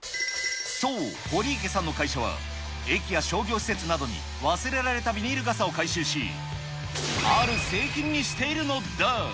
そう、堀池さんの会社は、駅や商業施設などに忘れられたビニール傘を回収し、ある製品にしているのだ。